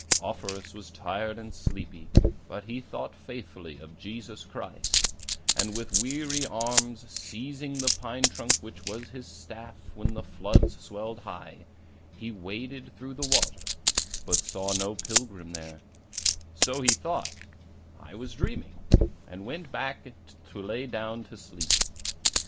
Offerus was tired and sleepy; but he thought faithfully of Jesus Christ, and with weary arms seizing the pine trunk which was his staff when the floods swelled high, he waded through the water, but saw no pilgrim there; so he thought, 'I was dreaming,' and went back and lay down to sleep.